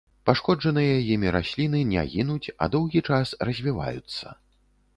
Пашкоджаныя імі расліны не гінуць, а доўгі час развіваюцца.